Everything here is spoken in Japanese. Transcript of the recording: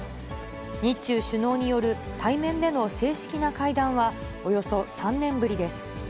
日中首脳による対面での正式な会談は、およそ３年ぶりです。